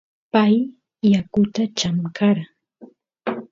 pay yakuta chamkara